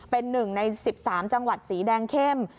เป็น๑ใน๑๓จังหวัดสีแดงเข้ม